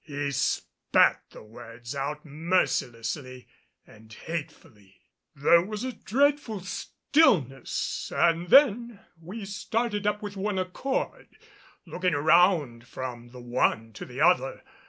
He spat the words out mercilessly and hatefully. There was a dreadful stillness, and then we started up with one accord, looking around from the one to the other.